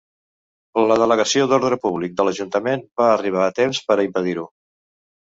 La Delegació d'Ordre Públic de l'Ajuntament va arribar a temps per a impedir-ho.